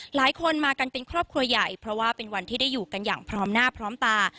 หลายคนมากันเป็นครอบครัวใหญ่เพราะว่าเป็นวันที่ได้อยู่กันอย่างพร้อมหน้าพร้อมตา